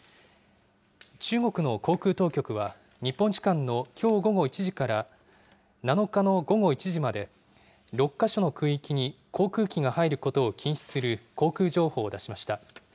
中国の航空当局は日本時間のきょう午後１時から７日の午後１時まで６か所の空域に航空機が入ることを禁止する航空情報を出しました。